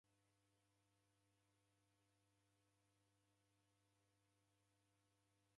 Kucha lii mghenyi wapo diche disinde?